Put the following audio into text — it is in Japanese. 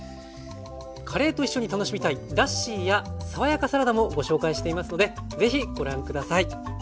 カレーと一緒に楽しみたいラッシーや爽やかサラダもご紹介していますのでぜひご覧下さい。